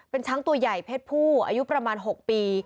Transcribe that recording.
เป็นช้างตัวใหญ่เพศผู้อายุประมาณ๖ปี